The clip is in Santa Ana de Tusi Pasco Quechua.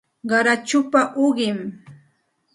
Qarachupa uqim